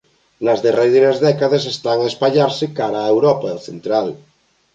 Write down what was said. Nas derradeiras décadas están a espallarse cara á Europa central.